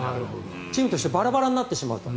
チームとしてバラバラになってしまうと。